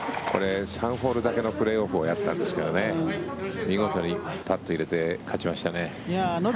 ３ホールだけのプレーオフをやったんですが見事にパットを入れて勝ちましたね。